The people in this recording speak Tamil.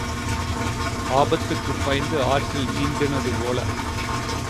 ஆபத்துக்குப் பயந்து ஆற்றில் நீந்தினது போல.